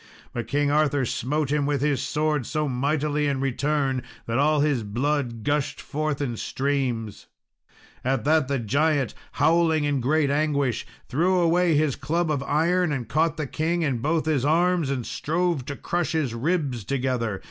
But King Arthur smote him with his sword so mightily in return, that all his blood gushed forth in streams. At that the giant, howling in great anguish, threw away his club of iron, and caught the king in both his arms and strove to crush his ribs together.